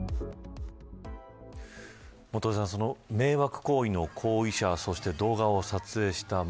元榮さん、迷惑行為の行為者や動画を撮影した者。